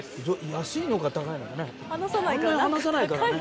安いのか高いのかね。